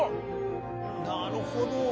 なるほど。